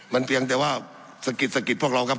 มันเพียงแต่ว่าสกิดพวกเราครับ